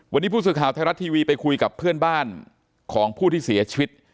วันนี้ผู้สื่อข่าวไทยรัฐทีวีไปคุยกับเพื่อนบ้านของผู้ที่เสียชีวิต